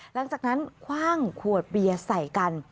หลังจากนั้นคว่างขวดเบียร์ใส่กัน